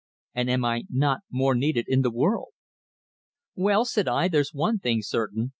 And am I not more needed in the world?" "Well," said I, "there's one thing certain."